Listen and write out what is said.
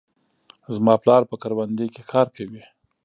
زما پلار په کروندې کې کار کوي.